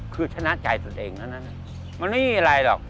คือชนะใจตัวเองนะมันไม่มีอะไรหรอก